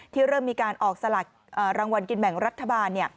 เริ่มมีการออกสลักรางวัลกินแบ่งรัฐบาล